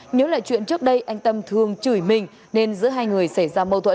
nhớ lại chuyện trước đây anh tâm thường chửi mình nên giữa hai người xảy ra mâu thuẫn